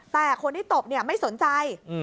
แต่คนที่ตบเนี่ยไม่สนใจ